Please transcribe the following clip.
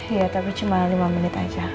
iya tapi cuma lima menit aja